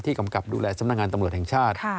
กำกับดูแลสำนักงานตำรวจแห่งชาติ